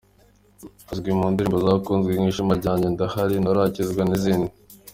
Azwi mu ndirimbo zakunzwe nka “Ishema ryanjye”, « Ndahari, Nturakizwa » n’izindi.